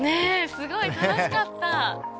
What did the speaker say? すごい楽しかった！